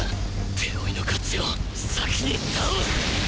手負いのこっちを先に倒す！